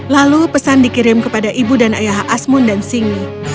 lalu pesan dikirim kepada ibu dan ayah asmun dan singi